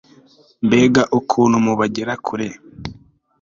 Mbega ukuntu mubagera kure